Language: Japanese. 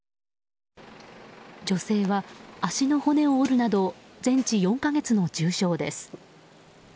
女性は足の骨を折るなど全治４か月の重傷です。